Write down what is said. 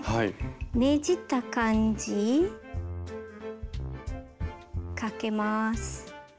ねじった感じかけます。